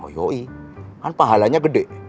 oh yoi kan pahalanya gede